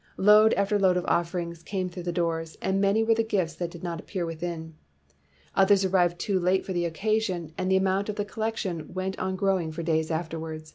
Load after load of offerings came through the doors, and many were the gifts that did not ap pear within. Others arrived too late for the occasion, and the amount of the collec tion went on growing for days afterward.